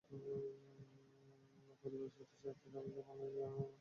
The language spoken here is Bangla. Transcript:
পরিবারের সদস্যরা তাঁর দেহাবশেষ বাংলাদেশে আনার জন্য সরকারের কাছে দাবি জানিয়েছেন।